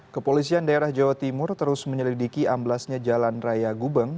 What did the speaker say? kepolisian daerah jawa timur terus menyelidiki amblasnya jalan raya gubeng